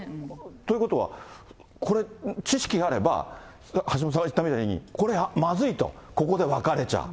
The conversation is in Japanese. ということは、これ、知識があれば、橋下さんが言ったみたいに、これ、まずいと、ここで別れちゃ。